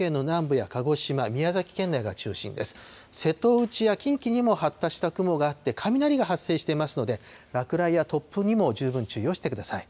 瀬戸内や近畿にも発達した雲があって、雷が発生していますので、落雷や突風にも十分注意をしてください。